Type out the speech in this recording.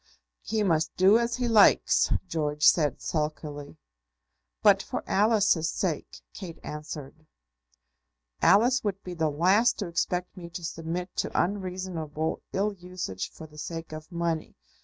"He must do as he likes," George said, sulkily. "But for Alice's sake!" Kate answered. "Alice would be the last to expect me to submit to unreasonable ill usage for the sake of money.